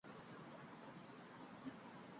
伊塔茹是巴西圣保罗州的一个市镇。